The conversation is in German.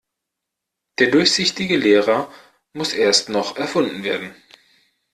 Der durchsichtige Lehrer muss erst noch erfunden werden.